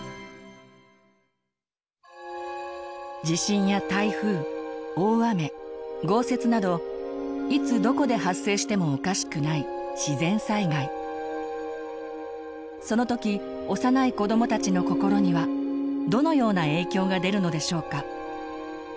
地震や台風大雨豪雪などいつどこで発生してもおかしくないその時幼い子どもたちの心にはどのような影響が出るのでしょうか？